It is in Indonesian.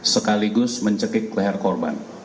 sekaligus mencekik leher korban